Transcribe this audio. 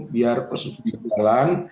biar prosesnya berjalan